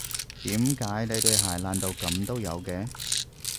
點解你對鞋爛到噉都有嘅？